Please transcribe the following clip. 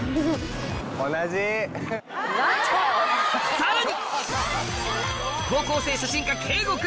さらに！